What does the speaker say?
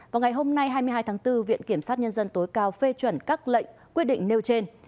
vào ngày hôm nay hai mươi hai tháng bốn viện kiểm sát nhân dân tối cao phê chuẩn các lệnh quyết định nêu trên